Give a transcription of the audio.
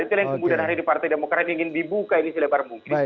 itulah yang kemudian hari di partai demokrat ingin dibuka ini selebar mungkin